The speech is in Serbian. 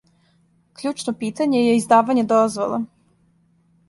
Кључно питање је издавање дозвола.